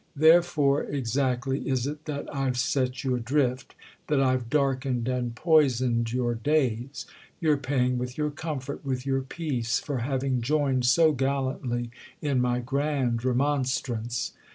Therefore exactly is it that I've set you adrift—that I've darkened and poisoned your days. You're paying with your comfort, with your peace, for having joined so gallantly in my grand remonstrance."